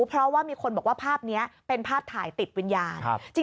เพราะว่ามีคนบอกว่าภาพนี้เป็นภาพถ่ายติดวิญญาณ